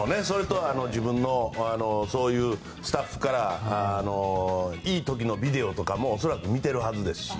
自分のそういうスタッフからのいい時のビデオとか恐らく、見てるはずですし。